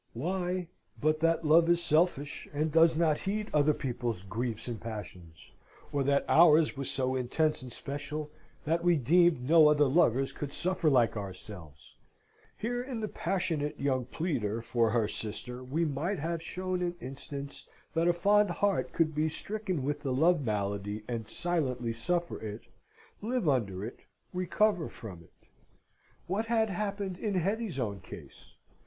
Why, but that love is selfish, and does not heed other people's griefs and passions, or that ours was so intense and special that we deemed no other lovers could suffer like ourselves; here in the passionate young pleader for her sister, we might have shown an instance that a fond heart could be stricken with the love malady and silently suffer it, live under it, recover from it. What had happened in Hetty's own case?